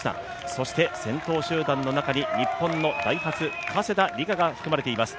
そして、先頭集団の中に日本のダイハツ、加世田梨花が含まれています